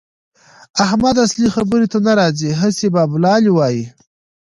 احمد اصلي خبرې ته نه راځي؛ هسې بابولالې وايي.